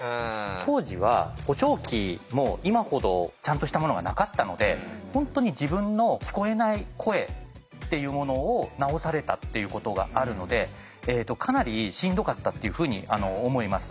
当時は補聴器も今ほどちゃんとしたものがなかったので本当に自分の聞こえない声っていうものを直されたっていうことがあるのでかなりしんどかったっていうふうに思います。